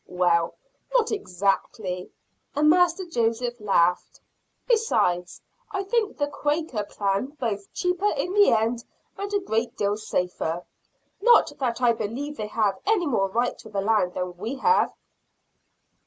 "Well, not exactly," and Master Joseph laughed. "Besides, I think the Quaker plan both cheaper in the end and a great deal safer. Not that I believe they have any more right to the land than we have."